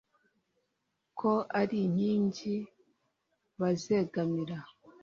ko ari inkingi bazegamira